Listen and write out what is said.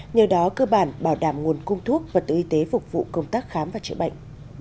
nhờ đó cơ bản bảo đảm nguồn cung thuốc và tự y tế phục vụ công tác khám và chữa bệnh